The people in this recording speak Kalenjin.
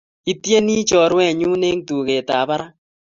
Ityeni chorwenyu eng' tugetab barak